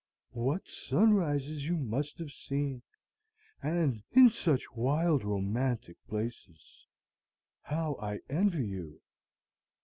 What sunrises you must have seen, and in such wild, romantic places! How I envy you!